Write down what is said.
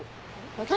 私？